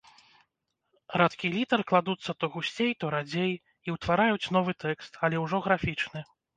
Радкі літар кладуцца то гусцей, то радзей, і ўтвараюць новы тэкст, але ўжо графічны.